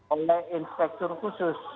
oleh inspektur khusus